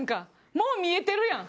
もう見えてるやん。